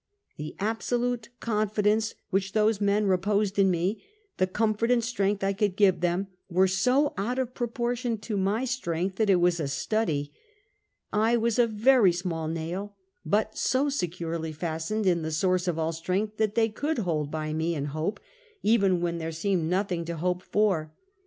The absolute confidence which those men reposed in me, the comfort and strength I could give them, were so out of proportion to my strength that it was a study. I was a very small nail, but so securely fastened in the source of all strength, that they could hold by me and hope, even when there seemed nothing to hope for.